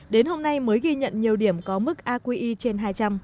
đến hôm nay mới ghi nhận nhiều điểm có mức aqi trên hai trăm linh